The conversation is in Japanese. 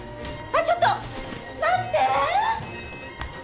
あっちょっと待って！